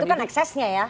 itu kan eksesnya ya